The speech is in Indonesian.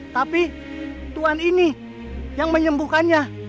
tapi tuhan ini yang menyembuhkannya